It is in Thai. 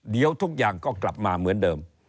เดี๋ยวทุกอย่างก็กลับมาเหมือนเดิม